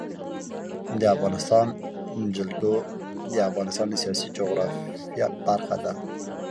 د افغانستان جلکو د افغانستان د سیاسي جغرافیه برخه ده.